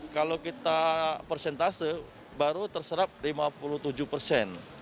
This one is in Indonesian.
kalau kita persentase baru terserap lima puluh tujuh persen